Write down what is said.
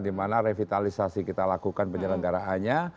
di mana revitalisasi kita lakukan penyelenggaraannya